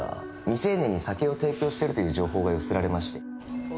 未成年に酒を提供しているという情報が寄せられまして。